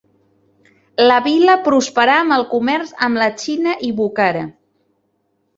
La vila prosperà amb el comerç amb la Xina i Bukhara.